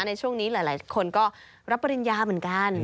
ในช่วงนี้หลายคนก็รับปริญญาเหมือนกัน